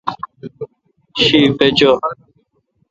شی پیچھہ۔